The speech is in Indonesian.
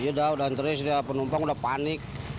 iya dah udah terus penumpang udah panik